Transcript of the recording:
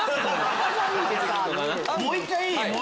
もう１回いい？